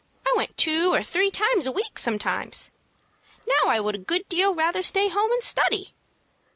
I went two or three times a week sometimes. Now I would a good deal rather stay at home and study."